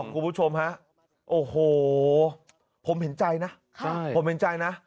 คุณผู้ชมฮะโอ้โหผมเห็นใจนะผมเห็นใจนะ